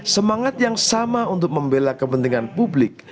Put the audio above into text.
semangat yang sama untuk membela kepentingan publik